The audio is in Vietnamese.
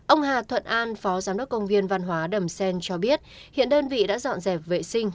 ông hà thuận an phó giám đốc công viên văn hóa đầm xen cho biết hiện đơn vị đã dọn dẹp vệ sinh